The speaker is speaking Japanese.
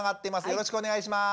よろしくお願いします。